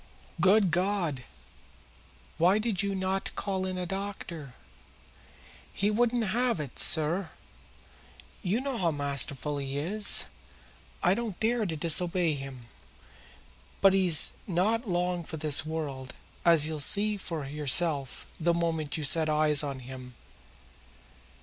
"Good God! Why did you not call in a doctor?" "He wouldn't have it, sir. You know how masterful he is. I didn't dare to disobey him. But he's not long for this world, as you'll see for yourself the moment that you set eyes on him."